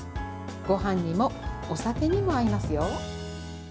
ごはんにもお酒にも合いますよ。